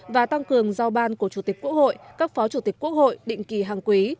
và tăng cường giao ban của chủ tịch quốc hội các phó chủ tịch quốc hội định kỳ hàng quý